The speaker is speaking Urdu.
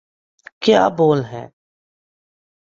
کیا بول ہیں۔